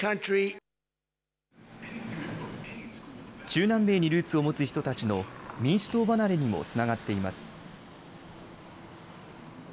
中南米にルーツを持つ人たちの民主党離れにもつながっています。